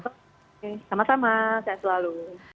oke sama sama sehat selalu